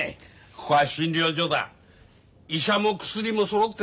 ここは診療所だ医者も薬もそろってらあね。